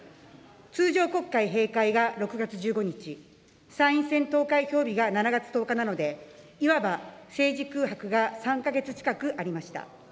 通常国会閉会が６月１５日、参院選投開票日が７月１０日なので、いわば政治空白が３か月近くありました。